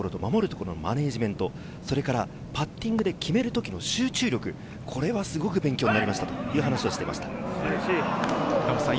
特に攻めるところと、守るところのマネジメント、それからパッティングで決めるときの集中力、これはすごく勉強になりましたと話をしていました。